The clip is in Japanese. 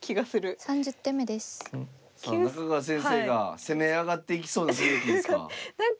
さあ中川先生が攻め上がっていきそうな雰囲気ですか。